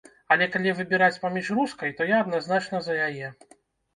Але калі выбіраць паміж рускай, то я адназначна за яе.